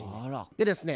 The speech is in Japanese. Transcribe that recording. でですね